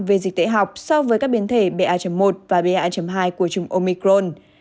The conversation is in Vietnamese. về dịch tễ học so với các biến thể ba một và ba hai của chủng omicron